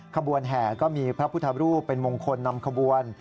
ขบวนแห่ก็มีพระพุทธรูปเป็นมงคลนำขบวน